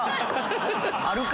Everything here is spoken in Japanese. あるか！